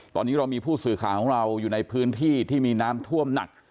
ตอนนี้เรามีผู้สื่อข่าวของเราอยู่ในพื้นที่ที่มีน้ำท่วมหนัก